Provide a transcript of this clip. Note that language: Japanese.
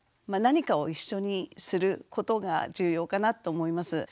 まあ何かを一緒にすることが重要かなと思います。